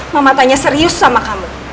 mama tanya serius sama kamu